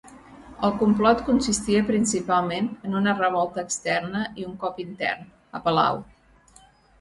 El complot consistia principalment en una revolta externa i un cop intern, a palau.